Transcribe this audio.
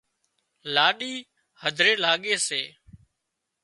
لُاڏِي هڌري لاڳي سي